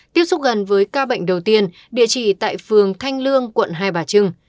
tiếp xúc gần với ca bệnh đầu tiên địa chỉ tại phường thanh lương quận hai bà trưng